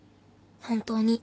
本当に。